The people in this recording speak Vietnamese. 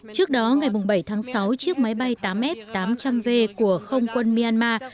trước đó ngày bảy tháng sáu chiếc máy bay tám f tám trăm linh v của không quân myanmar